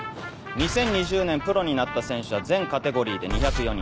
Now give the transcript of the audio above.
２０２０年プロになった選手は全カテゴリーで２０４人。